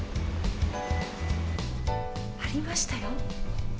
ありましたよ！